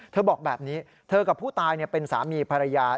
บอกแบบนี้เธอกับผู้ตายเป็นสามีภรรยา